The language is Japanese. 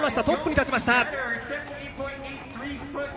トップに立ちました。